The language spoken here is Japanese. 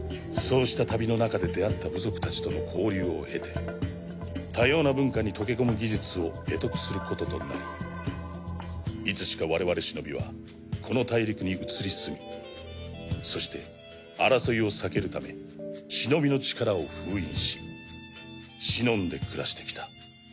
そうした旅の中で出会った部族たちとの交流を経て多様な文化に溶け込む技術を会得することとなりいつしか我々シノビはこの大陸に移り住みそして争いを避けるためシノビの力を封印し忍んで暮らしてきた。